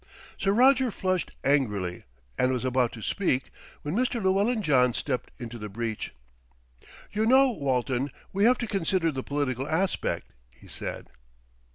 Sir Roger flushed angrily, and was about to speak when Mr. Llewellyn John stepped into the breach. "You know, Walton, we have to consider the political aspect," he said.